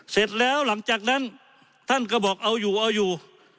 เสร็จแล้วหลังจากนั้นท่านก็บอกเอาอยู่เอาอยู่